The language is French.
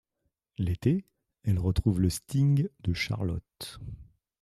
L'été, elle retrouve le Sting de Charlotte.